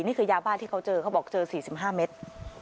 นี่คือยาบ้าที่เขาเจอเขาบอกเจอ๔๕เมตร